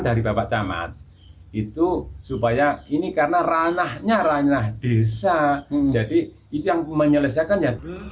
dari bapak camat itu supaya ini karena ranahnya ranah desa jadi itu yang menyelesaikan ya dulu